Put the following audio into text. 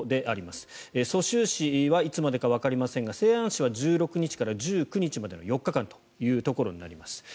蘇州市はいつまでかはわかりませんが西安市は１６日から１９日までの４日間となります。